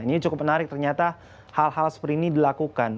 ini cukup menarik ternyata hal hal seperti ini dilakukan